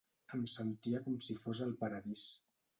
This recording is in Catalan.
Em sentia com si fos al paradís.